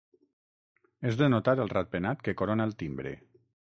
És de notar el ratpenat que corona el timbre.